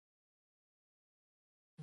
هر زخم د درک غوښتنه کوي.